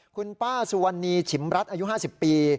คุณป้าสุวรรณีฉิมรัฐอายุ๕๐ปี